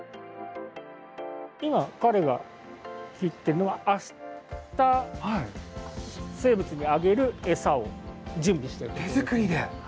今彼が切ってるのは明日生物にあげる餌を準備してるんですよ。